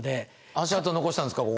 足跡残したんですかここ。